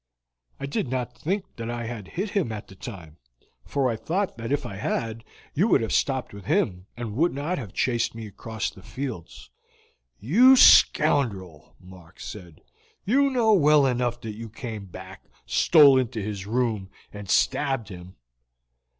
I did not think I had hit him at the time, for I thought that if I had you would have stopped with him, and would not have chased me across the fields." "You scoundrel!" Mark said. "You know well enough that you came back, stole into his room, and stabbed him."